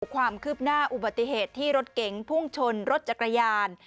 ความคืบหน้าอุบัติเหตุที่รถเก๋งพุ่งชนรถจักรยาน